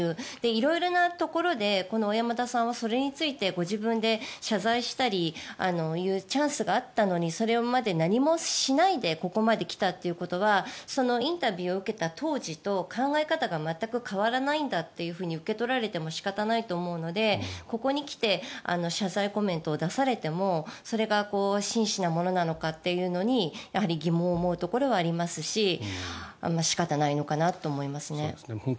色々なところでこの小山田さんはそれについてご自分で謝罪したりそういうチャンスがあったのにそれまで何もしないでここまで来たということはインタビューを受けた当時と考え方が全く変わらないんだと受け取られても仕方ないと思うのでここに来て謝罪コメントを出されてもそれが真摯なものなのかというのにやはり疑問を思うところはありますし仕方ないのかなと思いますね。